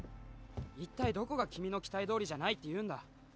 一体どこが君の期待どおりじゃないっていうんだ？